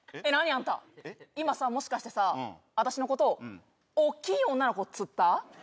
あんた今さもしかしてさ私のことを「おっきい女の子」つった？